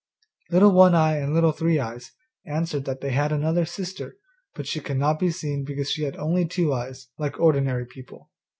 Little One eye and Little Three eyes answered that they had another sister, but she could not be seen because she had only two eyes, like ordinary people.